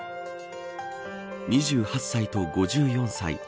２８歳と５４歳。